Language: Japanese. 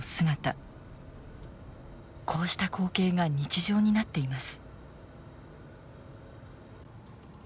こうした光景が日常になっています。